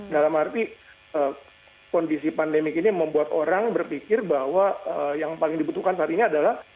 dalam arti kondisi pandemik ini membuat orang berpikir bahwa yang paling dibutuhkan saat ini adalah